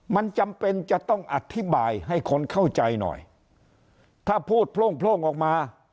มันจำเป็นจะต้องอธิบายให้คนเข้าใจหน่อยถ้าพูดโพร่งออกมา